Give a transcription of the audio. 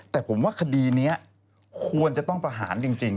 แต่ผมว่าคดีนี้ควรจะต้องประหารจริง